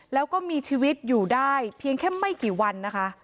แล้วก็มีชีวิตอยู่ได้เพียงแค่ไม่กี่วันนะคะ